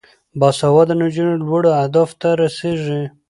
باسواده نجونې لوړو اهدافو ته رسیږي.